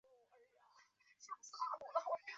岗包传统服饰的一部分。